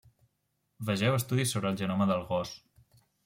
Vegeu estudis sobre el genoma del gos.